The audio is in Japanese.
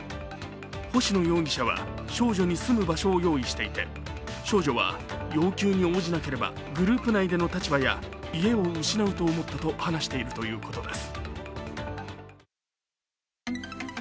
星野容疑者は少女に住む場所を用意していて、少女は要求に応じなければグループ内の立場や家を失うと思ったと話しているということです。